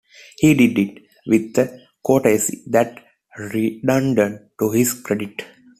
He did it with a courtesy that redounded to his credit.